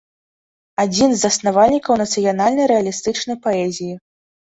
Адзін з заснавальнікаў нацыянальнай рэалістычнай паэзіі.